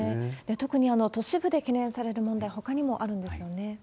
特に都市部で懸念される問題、ほかにもあるんですよね。